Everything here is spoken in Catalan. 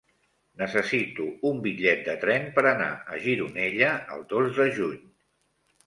Necessito un bitllet de tren per anar a Gironella el dos de juny.